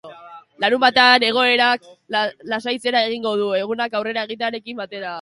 Larunbatean, egoerak lasaitzera egingo du, egunak aurrera egitearekin batera.